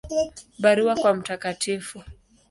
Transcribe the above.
Barua kwa Mt.